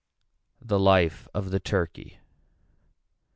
The life of the turkey.